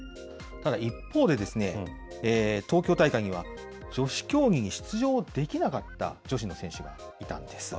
ただ一方で、東京大会には女子競技に出場できなかった女子の選手がいたんです。